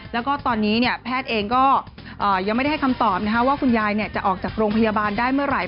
แล้วก็ตอนนี้แพทย์เองก็ยังไม่ได้ให้คำตอบว่าคุณยายจะออกจากโรงพยาบาลได้เมื่อไหร่